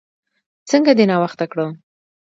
څنګه دې ناوخته کړه؟